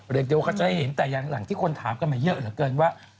เดี๋ยวเขาจะได้เห็นหลังที่คนถามมาเยอะเพราะว่า